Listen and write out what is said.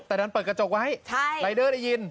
แต่ดันเปิดกระจกไว้รายเดอร์ได้ยิน